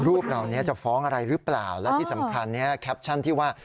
รูปเหล่านี้จะฟ้องอะไรหรือเปล่าและที่สำคัญเนี่ยแคปชั่นที่ว่า